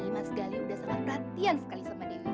emang bener bener sayang ya kamu memangnya kurang